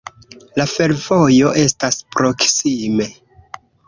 La fervojo estas proksime.